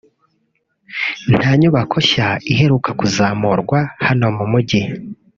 nta nyubako nsha iheruka kuzamurwa hano mu mujyi